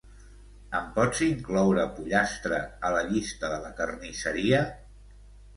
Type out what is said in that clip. Em pots incloure pollastre a la llista de la carnisseria?